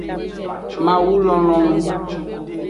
Mawu lonlonu.